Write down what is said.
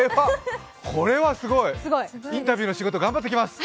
これはすごい、インタビューの仕事頑張ってきます。